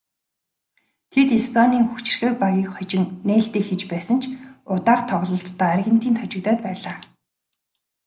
Тэд Испанийн хүчирхэг багийг хожин нээлтээ хийж байсан ч удаах тоглолтдоо Аргентинд хожигдоод байлаа.